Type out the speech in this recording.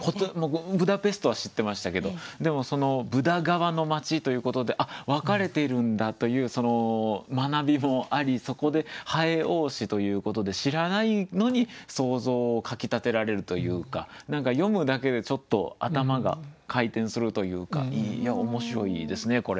ブダペストは知ってましたけど「ブダ側の町」ということで分かれてるんだというその学びもありそこで「蠅多し」ということで知らないのに想像をかき立てられるというか読むだけでちょっと頭が回転するというか面白いですねこれ。